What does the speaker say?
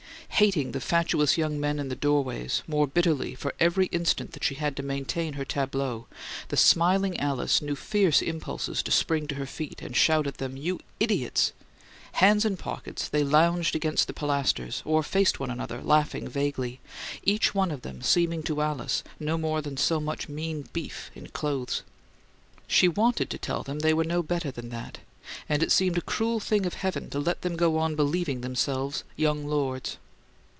Hating the fatuous young men in the doorways more bitterly for every instant that she had to maintain her tableau, the smiling Alice knew fierce impulses to spring to her feet and shout at them, "You IDIOTS!" Hands in pockets, they lounged against the pilasters, or faced one another, laughing vaguely, each one of them seeming to Alice no more than so much mean beef in clothes. She wanted to tell them they were no better than that; and it seemed a cruel thing of heaven to let them go on believing themselves young lords.